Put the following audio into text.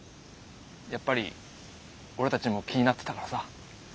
やっぱり俺たちも気になってたからさ。